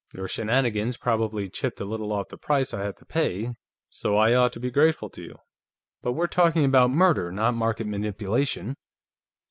Your shenanigans probably chipped a little off the price I had to pay, so I ought to be grateful to you. But we're talking about murder, not market manipulation.